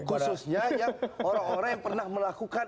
khususnya orang orang yang pernah melakukan